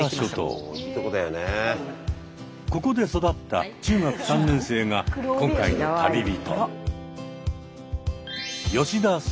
ここで育った中学３年生が今回の旅人。